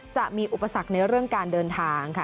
จะมีอุปสรรคในเรื่องการเดินทางค่ะ